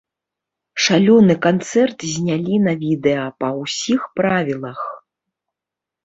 Шалёны канцэрт знялі на відэа па ўсіх правілах!